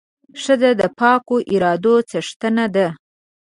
ښځه د پاکو ارادو څښتنه ده.